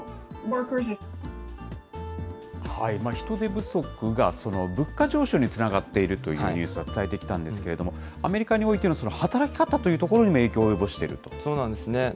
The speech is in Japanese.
人手不足が物価上昇につながっているというニュースは伝えてきたんですけれども、アメリカにおいての働き方というところにもそうなんですね。